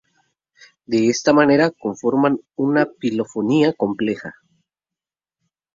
De esta manera conforman una polifonía compleja.